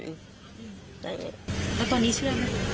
แล้วตอนนี้เชื่อไม่ถูก